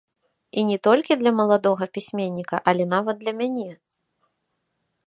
І не толькі для маладога пісьменніка, але нават для мяне.